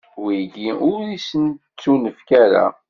Wigi, ur sen-ittunefk ara.